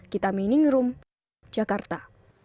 kita mining room jakarta